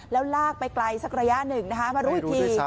แล้วลากไปไกลสักระยะหนึ่งนะคะมารู้อีกที